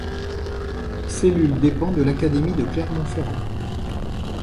Cellule dépend de l'académie de Clermont-Ferrand.